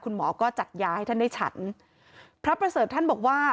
หมอก็จัดยาให้ท่านได้ฉันพระประเสริฐท่านบอกว่า